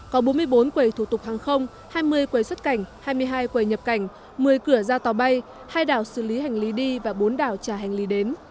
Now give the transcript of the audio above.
có bốn mươi bốn quầy thủ tục hàng không hai mươi quầy xuất cảnh hai mươi hai quầy nhập cảnh một mươi cửa ra tàu bay hai đảo xử lý hành lý đi và bốn đảo trả hành lý đến